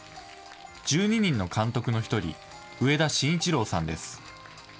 １２人の監督の１人、上田慎一郎さんです。